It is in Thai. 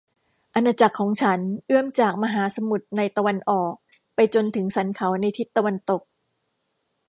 อาณาจักรของฉันเอื้อมจากมหาสมุทรในตะวันออกไปจนถึงสันเขาในทิศตะวันตก